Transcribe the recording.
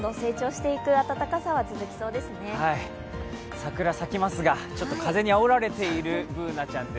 桜咲きますが、ちょっと風にあおられているＢｏｏｎａちゃんです。